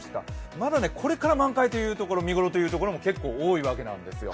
まだこれから満開というところ見頃というところも結構多いんですよ。